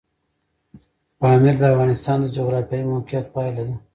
پامیر د افغانستان د جغرافیایي موقیعت پایله ده.